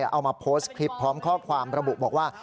เอามาโพสต์คลิปพร้อมข้อความระบุบอกว่า